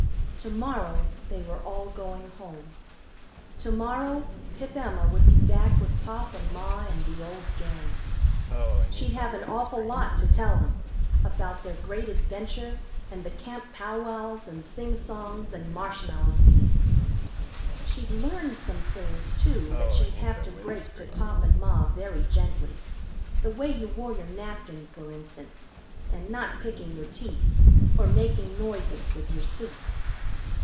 Tomorrow they were all going home. Tomorrow Pip Emma would be back with Pop and Ma and the old Gang. She'd have an awful lot to tell them about their Great Adventure, and the Camp powwows and singsongs and marshmallow feasts. She'd learned some things, too, that she'd have to break to Pop and Ma very gently the way you wore your napkin, for instance, and not picking your teeth, or making noises with your soup.